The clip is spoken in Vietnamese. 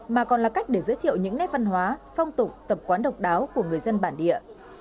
mà còn là cách để giới thiệu những nét văn hóa phong tục tập quán độc đáo của người dân bản địa